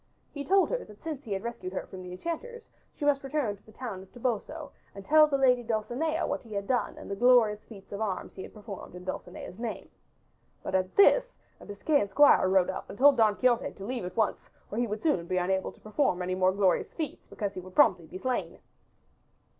He told her that since he had rescued her from the enchanters she must return to the town of Toboso and tell the lady Dulcinea what he had done and the glorious feat of arms he had performed in Dulcinea's name. But at this a Biscayan Squire rode up and told Don Quixote to leave at once or he would soon be unable to perform any more glorious feats because he would promptly be slain.